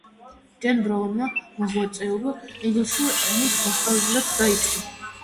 დენ ბრაუნმა მოღვაწეობა ინგლისური ენის მასწავლებლად დაიწყო.